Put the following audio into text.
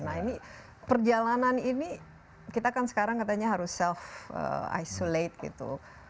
nah ini perjalanan ini kita kan sekarang katanya harus self isolate gitu